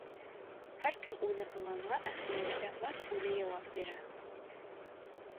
Һәр кем үҙе ҡылғанға әхирәттә бары үҙе яуап бирә.